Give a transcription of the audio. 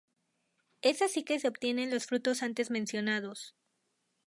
Es así que se obtienen los frutos antes mencionados.